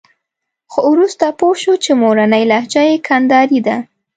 خو وروسته پوه شو چې مورنۍ لهجه یې کندارۍ ده.